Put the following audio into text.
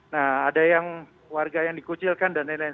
nah ada yang warga yang dikucilkan dan lain lain